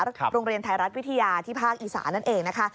โรงเรียนไทยรัฐวิทยาที่ภาคอีสานั่นเองนะคะ